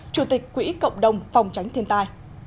chủ tịch quỹ cộng đồng phòng tránh thiên tai